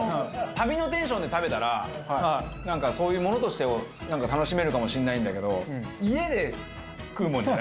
旅のテンションで食べたらなんかそういうものとしてなんか楽しめるかもしれないんだけど家で食うもんじゃないかも。